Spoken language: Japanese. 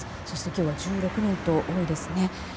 そして、今日は１６人と多いですね。